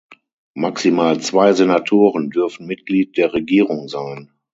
Maximal zwei Senatoren dürfen Mitglied der Regierung sein.